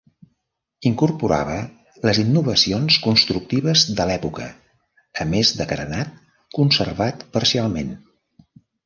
Incorporava les innovacions constructives de l'època, a més de carenat, conservat parcialment.